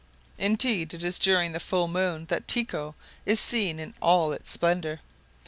Indeed, it is during the full moon that Tycho is seen in all its splendor.